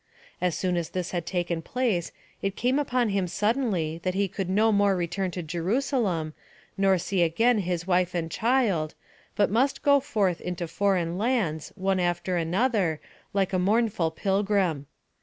As soon as this had taken place, it came upon him suddenly that he could no more return to Jerusalem, nor see again his wife and child, but must go forth into foreign lands, one after another, like a mournful pilgrim.